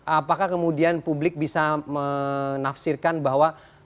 apakah kemudian publik bisa menafsirkan bahwa